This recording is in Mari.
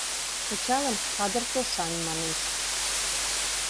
Пычалым кадыр тошан манеш.